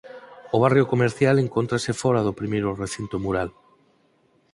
O barrio comercial encóntrase fóra do primeiro recinto mural.